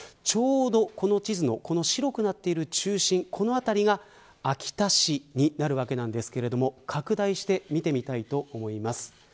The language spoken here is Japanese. ちょうど地図の白くなっている所の中心が秋田市になるわけですが拡大して見てみたいと思います。